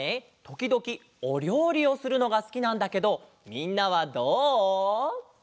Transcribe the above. ときどきおりょうりをするのがすきなんだけどみんなはどう？